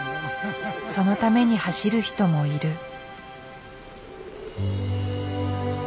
そのために走る人もいる。